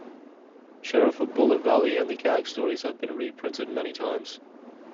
"Sheriff of Bullet Valley" and the gag stories have been reprinted many times.